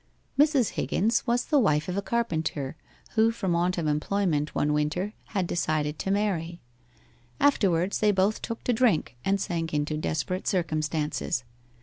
Mrs. Higgins was the wife of a carpenter who from want of employment one winter had decided to marry. Afterwards they both took to drink, and sank into desperate circumstances.